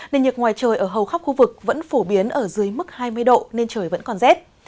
nền nhiệt ngoài trời ở hầu khắp khu vực vẫn phổ biến ở dưới mức hai mươi độ nên trời vẫn còn rét